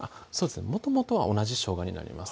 もともとは同じ生姜になります